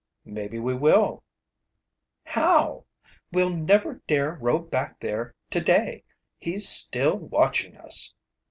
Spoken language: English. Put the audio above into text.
"Maybe we will." "How? We'll never dare row back there today. He's still watching us."